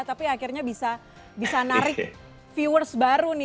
tapi akhirnya bisa narik viewers baru nih